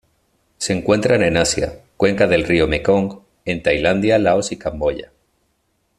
Se encuentran en Asia: cuenca del río Mekong en Tailandia, Laos y Camboya.